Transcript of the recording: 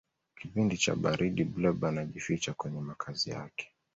kipindi cha baridi blob anajificha kwenye makazi yake